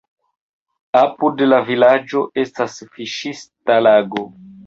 Apud la vilaĝo estas fiŝista lago.